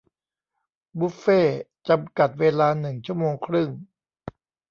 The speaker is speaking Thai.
บุฟเฟ่ต์จำกัดเวลาหนึ่งชั่วโมงครึ่ง